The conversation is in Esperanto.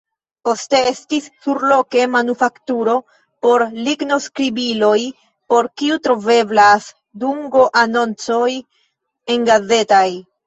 Poste estis surloke manufakturo por lignoskribiloj por kiu troveblas dungoanoncoj engazetaj.